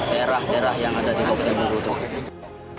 daerah daerah yang ada di kabupaten bengkulu tengah